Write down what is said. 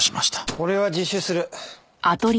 俺は自首する。